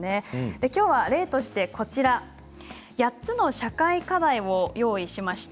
きょうは例として、こちら８つの社会課題を用意しました。